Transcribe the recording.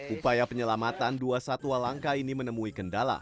upaya penyelamatan dua satwa langka ini menemui kendala